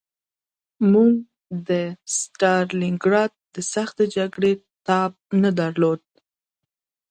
موږ د ستالینګراډ د سختې جګړې تاب نه درلود